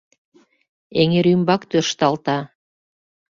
Эҥерӱмбак тӧршталта.